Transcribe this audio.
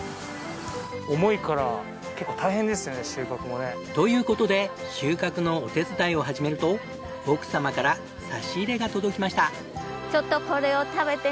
重いから結構大変ですよね収穫もね。という事で収穫のお手伝いを始めると奥様から差し入れが届きました。